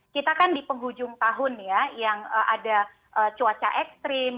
kita kan di penghujung tahun ya yang ada cuaca ekstrim